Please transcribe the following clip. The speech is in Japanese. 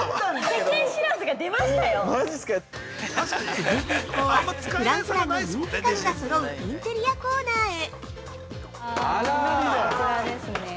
◆続いて一行は、フランフランの人気家具が揃うインテリアコーナーへ。